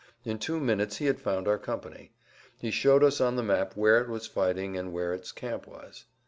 In two minutes he had found our company. He showed us on the map where it was fighting and where its camp was.